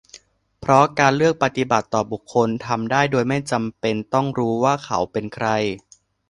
เพราะการเลือกปฏิบัติต่อบุคคลทำได้โดยไม่จำเป็นต้องรู้ว่าเขาเป็น "ใคร"